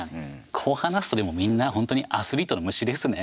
こう話すと、でもみんなほんとにアスリートの虫ですね。